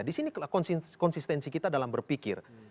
di sini konsistensi kita dalam berpikir